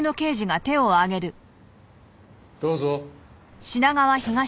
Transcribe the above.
どうぞ。